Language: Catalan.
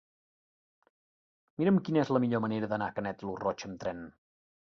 Mira'm quina és la millor manera d'anar a Canet lo Roig amb tren.